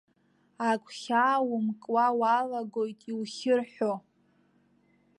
Агәхьаа умкуа уалагоит иухьырҳәо.